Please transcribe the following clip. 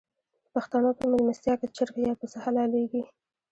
د پښتنو په میلمستیا کې چرګ یا پسه حلاليږي.